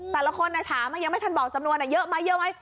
แต่ละคนจะถามอ่ะและไม่ทันบอกจำนวนน่ะเยอะมั้ยเยอะมั้ย